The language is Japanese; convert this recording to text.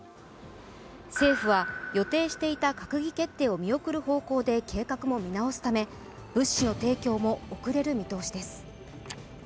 政府は予定していた閣議決定を見送る方向で計画も見直すため物資の提供も遅れる見通しです。